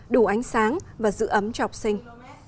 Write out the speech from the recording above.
đủ ánh sáng và giữ ấm cho học sinh